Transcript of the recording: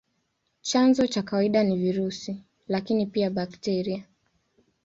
Chanzo cha kawaida ni virusi, lakini pia bakteria.